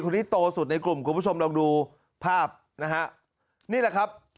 นี้โตสุดในกลุ่มคุณผู้ชมลองดูภาพนะฮะนี่แหละครับ